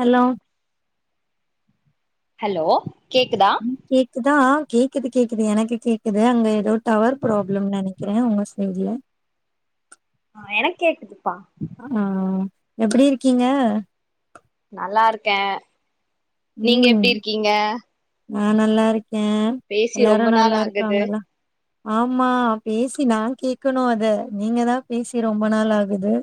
Hello hello கேக்குதா ம், கேக்குதா கேக்குது கேக்குது எனக்கு கேக்குது அங்க ஏதோ டவர் ப்ராப்ளம்னு நெனைக்கிறே உங்க சைடுல ஆ எனக்கு கேக்குதுப்பா ஆ எப்டி இருக்கீங்க நல்லாருக்கே ம் நா நல்லாருக்கே பேசி எல்லாரு ரொம்ப நாள் ஆகுது நல்லாருக்காங்களா ஆமா பேசி நா கேக்கணு அத நீங்க தா பேசி ரொம்ப நாள் ஆகுது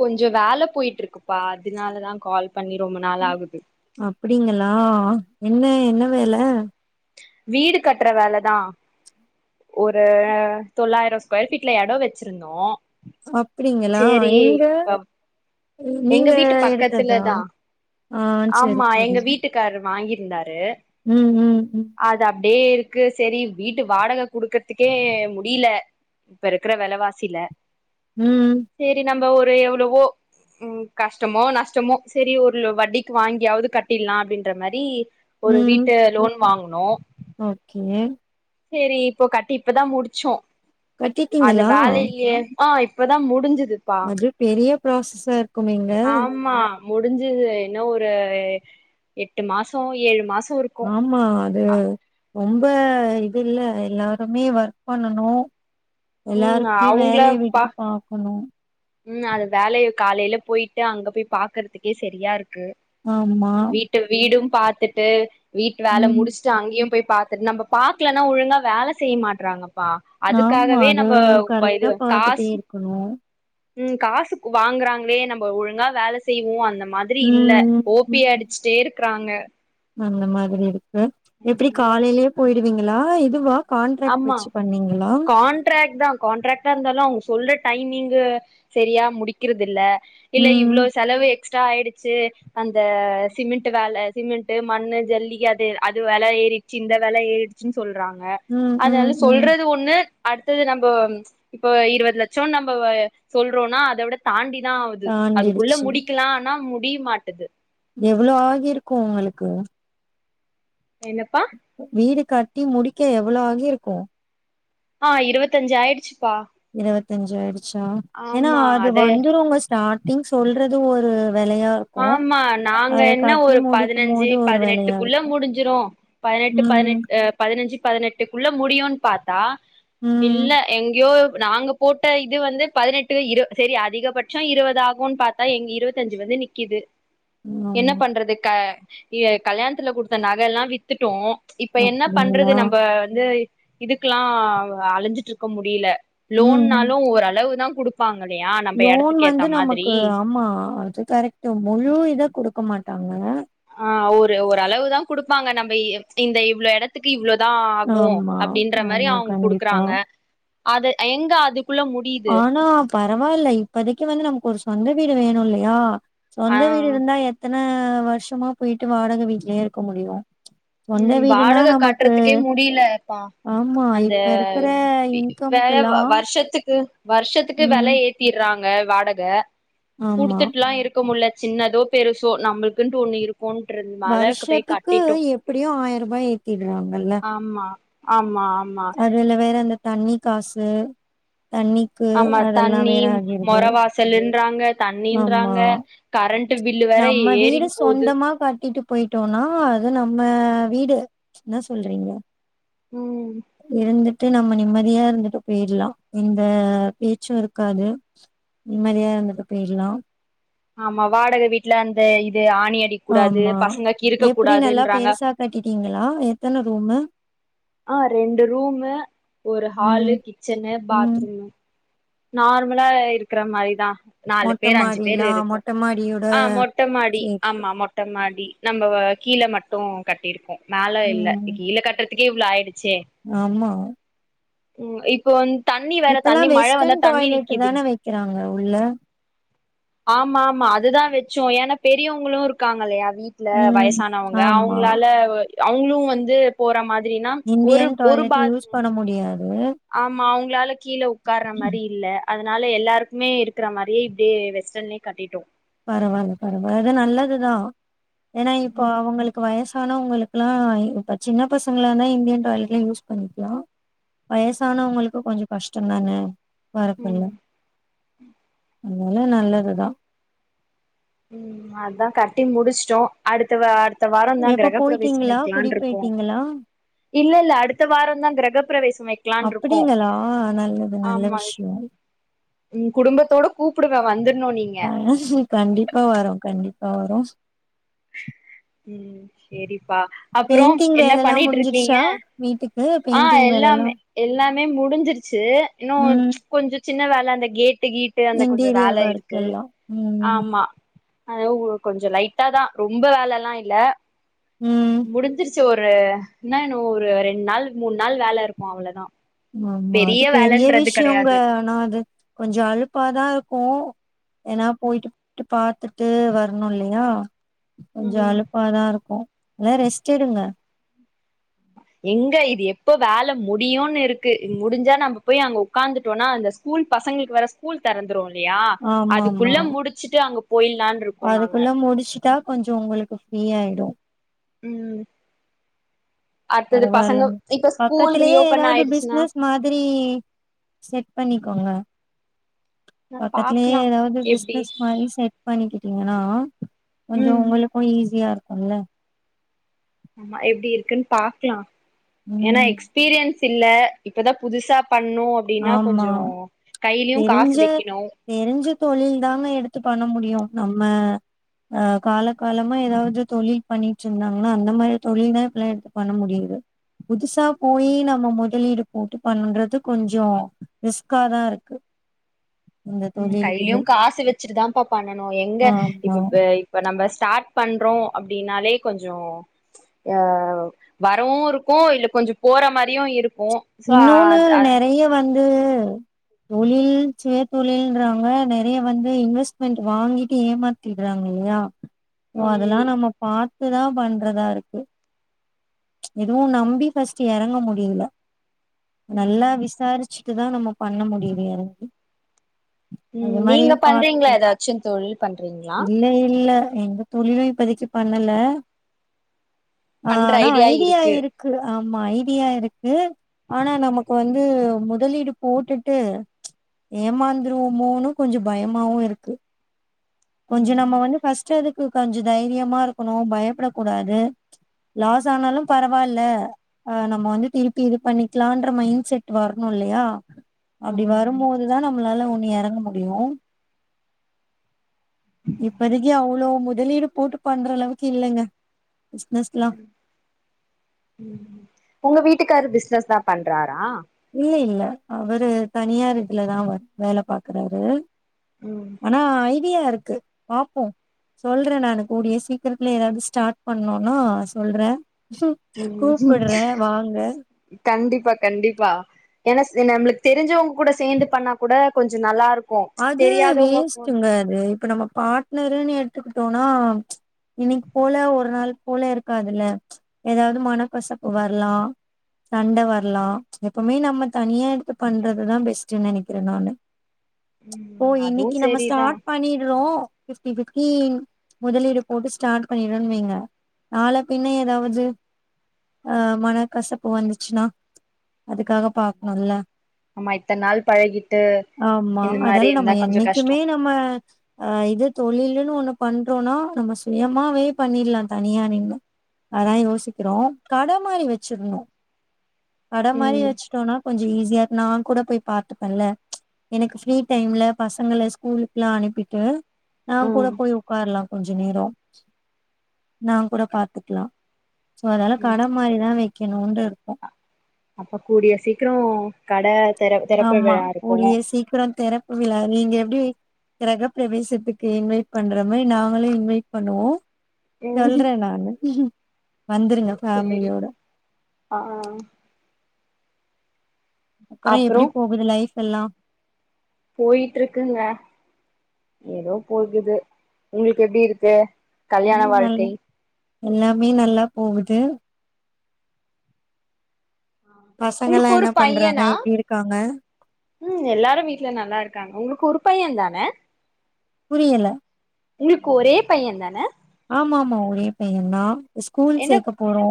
கொஞ்ச வேல போயிட்டு இருக்குப்பா அதனால தா கால் பண்ணி ரொம்ப நாள் ஆகுது அப்டிங்களா என்ன என்ன வேல வீடு கட்ற வேல தா ஒரு தொள்ளாயிரம் ஸ்கொயர் ஃபீட்ல எடோ வச்சிருந்தோ அப்டிங்களா சேரி எங்க இப்ப எங்க நீங்க வீட்டுப் பக்கத்துல எடுத்ததா தா ஆ செரி ஆமா செரி எங்க வீட்டுக்காரு வாங்கிருந்தாரு ம் ம் ம் அது அப்டியே இருக்கு சரி வீட்டு வாடக குடுக்கறதுக்கே முடியல இப்ப இருக்கற வெலவாசில ம் சேரி நம்ப ஒரு எவ்ளோவோ ம் கஷ்டமோ நஷ்டமோ சரி ஒரு லோ வட்டிக்கு வாங்கியாவது கட்டில்லா அப்டின்ற மாரி ஒரு ம் வீட்ட லோன் வாங்குனோ ஓகே சேரி இப்போ கட்டி இப்போ தா முடிச்சோ அந்த கட்டிட்டீங்களா வேலையிலேயே ஆ இப்பதா முடிஞ்சுது அது பெரிய ப்ராசஸா இருக்கு மேங்க ஆமா முடிஞ்சுது என்ன ஒரு எட்டு மாச ஏழு மாச இருக் ஆமா அது ரொம்ப இது இல்ல எல்லாருமே ஒர்க் பண்ணணு ம் எல்லாருக்குமே அவங்கள வேலைய பா விட்டுட்டு பாக்கனு ம் அது வேலைய காலையில போயிட்டு அங்க போய் பாக்குறதுக்கே சரியா இருக்கு ஆமா வீட்டு வீடும் பாத்துட்டு வீட்டு வேலை ம் முடிச்சு அங்கய போய் பாத்துட்டு நம்ம பாக்கலன்னா ஒழுங்கா வேலை செய்ய மாட்டறாங்க ப்ப ஆமா அதுக்காகவே நம்ம இது காசு க்குனு ம் காசு வாங்குறாங்களே நம்ம ஒழுங்கா வேலை செய்வோ அந்த மாதிரி இல்ல ம் ஓபி அடிச் ம் அடிச்சுட்டே இருக்குறாங்க அந்த மாதிரி இருக்கு எப்டி காலைலேயே போயிடுவீங்களா இதுவா கான்ட்ராக்ட் ஆமா வச்சு பண்ணீங்களா கான்ட்ராக்ட் தா காண்ட்ராக்ட்டா இருந்தாலு அவங்க சொல்ற டைமிங்க் சரியா முடிக்கறது இல்ல இல்ல ம் இவ்வளவு செலவு எக்ஸ்ட்ரா ஆயிடுச்சு அந்த சிமெண்ட் வேலை சிமெண்ட் மண்ணு ஜல்லிக்க அது அது வேல ஏறி சி இந்த விலை ஏறிடுச்சுன்னு சொல்றாங்க ம் ம் அதனால ம் சொல்றது ஒண்ணு அடுத்தது நம்ம இப்போ இருபது லட்சம் நம்ம சொல்றோம்னா அத விட தாண்டிதா ஆவுது அதுக்குள்ள தாண்டிடுச்சு முடிக்கலா ஆனா முடிய மாட்டேங்குது எவ்வளோ ஆகி இருக்கு உங்களுக்கு என்னப்பா வீடு கட்டி முடிக்க எவ்ளோ ஆகி இருக்கு ஆ இருபத்தஞ்சு ஆயிடுச்சுப்பா இருபத்தஞ்சு ஆயிடுச்சா ஏன்னா ஆமா அது அத வந்துருங்க ஸ்டார்டிங் சொல்றது ஒரு விலையா ஆமா நாங்க என்ன ஒரு முடிக்கும் பதினஞ்சு போது ஒரு வெலையா பதினெட்டுக்குள்ள இருக்கு முடிஞ்சிரு பதினெட்டு ம் பதினெட்டு பதினஞ்சு பதினெட்டுக்குள்ள முடியும்ன்னு பாத்தா ம் இல்ல எங்கேயோ நாங்க போட்ட இது வந்து பதினெட்டு இரு சேரி அதிகபட்ச இருபது ஆகும்ன்னு பாத்தா எங்க இருபத்தஞ்சு வந்து நிக் கீது என்ன ஆமா பண்றது கல்யாணத்துல குடுத்த நகையெல்லா வித்துட்டோ இப்ப என்ன பண்றது அப்டிங்களா நம்ம வந்து இதுக்கெல்லா அழஞ்சிட்டு இருக்க முடியல ம் ம் லோன்னாலு ஒரு அலவு தா குடுப்பாங்கல்லயா லோன் வந்து நமக்கு ஆமா அது கரெக்ட்டா முழு இதா கொடுக்க மாட்டாங்க ஆ ஒரு ஒருஅளவு தா குடுப்பாங்க நம்ம இந்த இவ்ளவு இடத்த த்துக்கு இவ்வளவுதா ஆகு ஆமா அப்டின்ற மாதிரி ஆமா அவங்க கண்டிப்பா குடுக்குறாங்க அது எங்க அதுக்குள்ள முடி ஆனா பரவாயில்ல இப்போதைக்கு வந்து நமக்கு ஒரு சொந்த வீடு வேணு இல்லையா ஆ சொந்த வீடு இருந்தா எத்தனை வருஷமா போயிட்டு வாடகை வீட்லயே இருக்க முடியு சொந்த ம் வீடுனா வாடகை நமக்கு காட்டுறதுக்கே முடியலப்பா ஆமா, அந்த இப்ப இருக்கிற வேற இன்கம்க்குலாம் வருஷத்துக்கு வருஷத்துக்கு வில ம். ஏத்திறாங்க வாடக ஆமா. குடுத்துட்டுலா இருக் க்க முடியல சின்னதோ பெருசோ நம்மளுக்குன்னு ஒண்ணு இருக்குன்றது நாள போய் கட்டிட்டோ எப்படியு ஆயிர ரூபா ஏத்திடுறாங்கல்ல ஆமா ஆமா ஆமா அதுல வேற அந்த தண்ணி காசு தண்ணி ஆமா தண்ணி மொர வாசல்ன்றாங்க ஆமா. தண்ணின்றாங்க கரண்ட்டு பில்லு வேற ஏறின் போது மாவ் ஆட்டிட்டு போயிட்டோனா அது நம்ம வீடு என்னா சொல்றீங்க ம் இருந்துட்டு நம்ம நிம்மதியா இருந்துட்டு போயிர்லா இந்த பேச்சு இருக்காது நிம்மதியா இருந்துட்டு போயிர்லா ஆமா வாடக வீட்ல அந்த இது ஆணி அடிக் கூடாது பசங்க கிறுக்க கூடாதுன்றாங்க கட்டிட்டீங்ளா எத்தன ரூமு ஆ ரெண்டு ரூமு ஒரு ம். ஹாலு கிச்சன்னு ம். பாத்ரூமு நார்மலா இருக்கற மாரிதா நாலு மொட்ட பேர் அஞ்சு பேர் மாடிலா இருக்க மொட்ட மாடியோட ஆ மொட்ட மாடி சேத்து ஆமா மொ ட்ட மாடி நம்ம கீழ மட்டு கட்டிருக்கோ மேல இல்ல ம் கீழ கட் ரத்துக்குகே இவ்ளோ ஆய்டுச்சே ஆமா ம் இப்போ வந்து தண்ணி வேற தண்ணி மழ வந்தா தண்ணி டாய்லெட்டு நிக்குதுங் தானே வக்கிறாங்க உள்ள ஆமாமா அதுதா வச்சோ ஏன்னா பெரியங்ளு இருக்காங்க இல்லையா வீ ட்ல ம் வயசானவங்க ஆமா அவுங்ளால அவுங்ளு வந்து போற மாதிரினா ஒரு இந்தியன் ஒரு டாய்லெட் யூஸ் பாத்ரூம் பண்ண முடியாது ஆமா அவுங்ளால கீழ உக்கார மாரி இல்ல அதனால எல்லாருக்குமே இருக்கிற மாரியே இப்டே வெஸ்டர்ன்லே கட்டிட்டோ பரவால்ல பரவா அது நல்லதுதா ஏன்னா இப்போ ம் அவுங்ளுக்கு வயசானவுங்களுக் லா இப்ப சின்ன பசங்கள இருந்த இந்தியன் டாய்லெட்லே யூஸ் பண்ணிப்போ வயசானவங்களுக்கு கொஞ்ச கஷ்ட தானே ம் [unintelligible] இன்னு நல்லதுதா ம் அதா கட்டி முடிச்ட்டோ அடுத்த வ அடுத்த வாரந்தா எப்ப கிரகப்பிரவேசம் போயிட்டீங்களா குடி வெக்கலான்ட்டுருக்கோ போயிட்டீங்களா இல்லல்ல அடுத்த வாரந்தா கிரகப்ப பிரவேசம் வக்கலான்ட்ருக்கோ அப்படிங்களா நல்லது நல்ல ஆமா விஷ்யோ ம் குடும்பத்தோட கூப்டுவே வந்துர்ணு நீங் கண்டிப்பா வரோ கண்டிப்பா வரோ ம் செரிப்பா அப்றோ பெயிண்டிங் என்ன வேலல்லா பண்ணிட்டுருக்கீங்க முடிஞ்சிருச்சா வீட்டுக்கு ஆ பெயிண்டிங் வேலல்லா எல்லாமே எல்லாமே முடிஞ்சிருச்சு இன்னு ம் கொஞ்ச சின்ன வேல அந்த கேட்டு கீட் டு அந்த கொஞ்ச இன்டீரியர் வேல ஒர்க் இருக்கு எல்லா ம் ஆமா அதுவு கொஞ்சலைட்ட தா ரொம்ப வேலலா இல்ல ம் முடிஞ்சிருச் சு ஒரு என்னா இன்னு ஒரு ரெண்ட் நாள் மூண் நாள் வேல இருக்கு அவ்ளதா ஆமா அது பெரிய வேலன்றது விஷ்யோங்க கெடையாது ஆனா அது கொஞ்ச அழுப்பாதா இருக்கு ஏன்னா போயிட்டு போயிட்டு பாத்துட்டு வர்ணு இல்லையா கொஞ்ச ம் அலுப்பாதா இருக்கு அதா ரெஸ்ட் எடுங்க எங்க இது எப்போ வேல முடியுன் இருக்கு முடிஞ்சா நம்ம போய் அங்க உட்காந்துட்டோனா அந்த ஸ்கூல் பசங்ளுக் வர கூல் தெறந்துரு இல்லியா ஆமா ஆமா அதுக்குள்ள முடிச்சிட்டு அங்க போயலான்ருக்கோ நாங்க த்தா கொஞ்சோ உங்களுக்கு ஃப்ரீயாயிடு ம் அடுத்தது பசங்க பரவாயில்லங் இப்ப ஸ்கூல் பக்கத்திலியே ரீஓபன் எதாவது ஆயிடுச்சுன்னா பிஸ்னஸ் மாதிரி செட் பண்ணிக்கோங்க பக்கத்துலே பாக்லா எதாவது எப்டி பிஸ்னஸ் மாரி செட் பண்ணிக்கிட்டீங்கன்னா கொஞ்சோ ம் உங்களுக்கு ஈஸியா இருக்குல்ல ஆமா எப்டி இருக்குன்னு பாக்கலா ஏன்னா ம் எக்ஸ் பீரியன்ஸ் இல்ல இப்பதா புதுசா பண்ணு ப்டின்னா ஆமா கொஞ்சோ கையிலியு காசு வைக்கணு தெரிஞ்சு தொழில் தாங்க எடுத்து பண்ணமுடியு நம்ம ஆ கால காலமா எதாவது தொழில் பண்ணிட்டு இருந்தாங்கன்னா அந்த மாரி தொழில்தா இப்பெல்லா எடுத்து பண்ண முடியுது புதுசா போயி நம்ம முதலீடு போட்டு பண்ணறது கொஞ்சோ ரிஸ்காதா இருக்கு இந்த ம் கையு தொழிலுக்குமே காசு வச்சிட்டுதாப்பா பண்ணனு எங்க ஆமா இப்ப பே இப்ப நம்ப ஸ்டார்ட் பண்றோ அப்பிடினாலே கொஞ்சோ யா வரவு இருக்கு இல்ல கொஞ்சோ போற மாறியு இருக்கு சோ இன்னொன்னு அது அ நெறைய வந்து தொழில் சுய தொழில்ன்றாங்க நெறைய வந்து இன்வெஸ்மென்ட் வாங்கிட்டு ஏமாத் திறாங்க இல்லையா ஓ ம் அதெல்லா நம்ம பாத்துதா பண்றதா இருக்கு எதுவு நம்பி ஃபஸ்ட் எறங்க முடியல நல்லா விசாரிச் ச்சிட்டு தா நம்ம பண்ண முடியுது எறங்கி அது ம் நீங்க மாதிரியு பண்றீங்களா பாத்துக்கோங் ஏதாச்சு தொழில் பண்றீங்களா இல்ல இல்ல எங்க தொழிலு இப்பதைக்கு பண்ணல ஆ பண்ற‌ ஆனா ஐ ஐடியா இருக்கு ஆமா ஐடியா இருக்கு ஆனா நமக்கு வந்து முதலீடு போட்டுட்டு ஏமாந்துருவோமோன்னு கொஞ்சோ பயமாவு இருக்கு கொஞ்ச ம் நம்ம வந்து ஃபஸ்ட் அதுக்கு கஞ்ச தைரியமா இருக்கணு பயப்படக்கூடாது லாஸ் ஆனாலு பரவாயில்ல ஆ நம்ம வந்து திருப்பி இது பண்ணிக்கலான்ற மைண்ட் செட் வரணு இல்லையா அப்டி ம் வரும்போதுதா நம்மளால ஒன்னு எறங்க முடியு இப்பதைக்கு அவ்ளோ முதலீடு போட்டு பண்ற அளவுக்கு இல்லங்க பிசினஸ்லா உங்க வீட்டுக்காரு பிசினஸ்தா பண்றாரா இல்ல இல்ல அவரு தனியார் இதுலதா ‌ஒர்க் வேல பாக்குறாரு ம் ஆனா ஐடியா இருக்கு பாப்போ சொல்றே நானு கூடிய சீக்கிரத்துல எதாவது ஸ்டார்ட் பண்ணோன்னா சொல்றே ம் கூப்படறே வாங்க கண்டிப்பா கண்டிப்பா ஏன்னாஸ் நம்ளுக்கு தெரிஞ்சவங் கூட சேந்து பண்ணா கூட கொஞ்ச நல்லா இருக் அது வேஸ்ட்டுங்க அது இப்ப நம்ம பார்ட்னருன்னு எடுத்துக்கிட்டோனா இன்னிக்கு போல ஒரு நாள் போல இருக்காதுல்ல எதாவது மனக்கசப்பு வரலா சண்டவரலா எப்பமே நம்ம தனியா எடுத்து பண்றதுதா பெஸ்டுன்னு நெனைக்கிறே நானு ம் ஓ அதுவு இன்னிக்கு நம்ம செரிதா ஸ்டார்ட் பண்ணிறோ பிஃப்டி பிஃப்டி முதலீடு போட்டு ஸ்டார்ட் பண்ணிறனு வைங்க நாள பின்ன எதாவது ஆ மனக்கசப்பு வந்துச்சின்னா அதுக்காக ஆமா பாக்கணுல்ல ஆமா இத்தன் நாள் பழகிட்டு இந்த மாரி ல் இருந்தா நம்ம கொஞ்சோ கஷ்டோ என்னிக்குமே நம்ம ஆ இது தொழிலுன்னு ஒன்னு பண்றோனா நம்ம சுயமாவே பண்ணிட்லா தனியா நின்னு அதா யோசிக்கிறோ கட மாறி வச்சிர்ந்தோ கட மாரி ம் வச்சுட்டோனா கொஞ்ச ஈஸியா நா குட போய் பாத்துபேல எனக்கு ஃப்ரீ டைம்ல பசங்ள ஸ்கூலுக்குலா அனுப்பிட்டு நா கூட ம் போய் ஒக்கார்லா கொஞ்ச நேர நா கூட பாத்துக்கலா சோ அதால கட மாரிதா வெய்க்கணுன்டு இருக்கோ அப்ப கூடிய சீக்கிரோ கட தெற தெறப்பு விழா இருக்கு சீக்கிர தெறப் உள்ள நீங்க எப்டி கிரக பிரவேசத்துக்கு இன்வைட் பண்ற மாரி நாங்களு இன்வைட் பண்ணுவோ ம் சொல்றே நானு வந்துருங்க சேரி ஃபேமிலியோட ஆ அப்றோ எப்பிடி போகுது லைஃப் எல்லா போயிட்ருக்குங்க ஏதோ போகுது ஒங்ளுக்கு எப்டி இருக்கு கல்யாண ம் நல் வாழ்க்கை எல்லாமே நல்லா போகுது பசங்கலா உங்களுக்கு ஒரு என்னா பண்றாங்க பையனா எப்டி இருக்காங்க ம் எல்லாரு வீட்ல நல்லா இருக்காங்க ஒங்ளுக்கு ஒரு பைய தானே புரியல ஒங்களுக்கு ஒரே பைய தானே ஆமா ஆமா ஒரே பைய தா இப்ப ஸ்கூல் என்ன சேக்க போறோ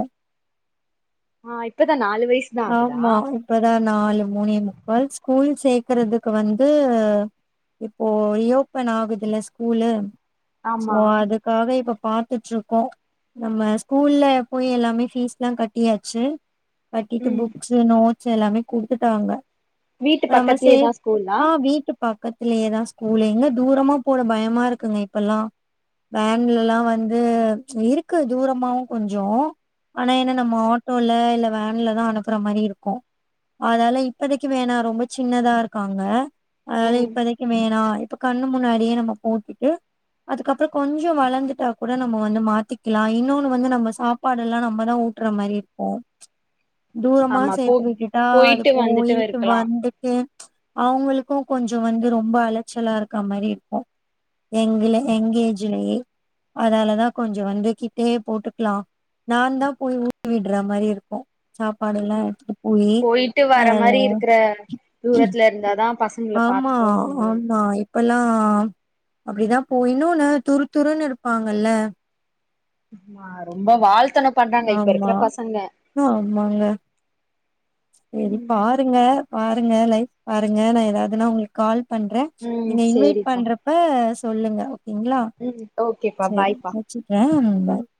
ஆ இப்பதா நாலு வயசு ஆமா இப்பதா நாலு மூனே முக்கால் ஸ்கூல் சேக்கறதுக்கு வந்து இப்போ இஓபன் ஆகுதுல ஸ்கூலு சோ ஆமா அது க்காக இப்ப பாத்துட்ருக்கோ நம்ம ஸ்கூல்ல போய் எல்லாமே ஃபீஸ்லா கட்டியாச்சி பீக்கு ம் புக்ஸு நோட்ஸு எல்லாமே குடுத்துட்டாங்க வீட்டு நம்ம பக்கத்துலயேதா சேத் ஸ்கூலா ஆ வீட்டு பக்கத்துலயேதா ஸ்கூல எங்க தூரமா போட பயமா இருக்குங்க இப்பெல்லா வேன்லலா வந்து இருக்கு தூரமாவு கொஞ்சோ ஆனா என்ன நம்ம ஆட்டோல இல்ல வேன்ல தா அனுபுற மாரி இருக்கு அதால இப்பதைக்கு வேணா ரொம்ப சின்னதா இருக்காங்க அதால ம் இப்பதைக்கு வேணா இப்ப கண்ணு முன்னாடியே நம்ம போட்டுட்டு அதுக்கப்றோ கொஞ்ச வளந்துட்டா கூட நம்ம வந்து மாத்திக்கலா இன்னொன்னு வந்து நம்ம சாப் பாடுலா நம்மதா ஊட்ற மாரி இருப்போ தூரமா ஆமா போ சேத்து விட்டுட்டா அது போயிட்டு வந்துட்டு போயிட்டு இருக்கலா வந்து ட்டு அவுங்களுக்கு கொஞ்சோ வந்து ரொம்ப அலச்சலா இருக்கா மாரி இருக்கு எங்ளா எங்க ஏஜுலயே அதால தா கொஞ்ச வந்து கிட்டயே போட்டுக்கலா நா தா போய் ஊட்டி விட்ற மாரி இருக்கு சாப்பாடெல்லா எடுத்திட்டு போயி போயிட்டு ஹலோ இருந்தா தா பசங்கள அம்மா பாத்துக்கவு முடியு அம் ஆ இப்பெல்லா அப்டிதா போயி இன்னொன்னு துரு துருனு இருப்பாங்கல்ல ஆ ரொம்ப வால்தணம் பண்றாங்க இப்ப ஆமா இருக்கிற பசங்க சரி ம் பாருங்க பாருங்க லைஃப் பாருங்க நான் ஏதாவதுன்னா உங்களுக் கால் பண்றே ம் நீங்க இன்வைட் சேரிப்பா பண்றப்ப சொல்லுங்க ஓகேங்களா ம் ஓகேப்பா பாய்பா [unintelligible]